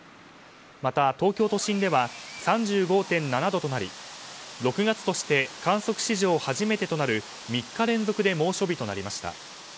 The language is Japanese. また、東京都心では３５．７度となり６月として観測史上初めてとなる３日連続で猛暑日となりました。